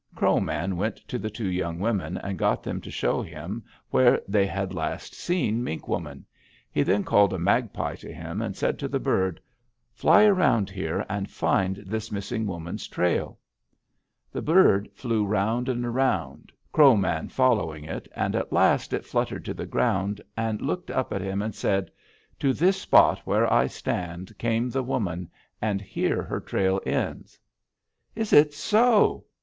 "Crow Man went to the two young women and got them to show him where they had last seen Mink Woman. He then called a magpie to him, and said to the bird: 'Fly around here and find this missing woman's trail.' "The bird flew around and around, Crow Man following it, and at last it fluttered to the ground, and looked up at him, and said: 'To this spot where I stand came the woman, and here her trail ends.' "'Is it so!'